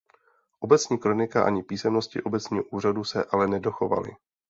Obecní kronika ani písemnosti obecního úřadu se ale nedochovaly.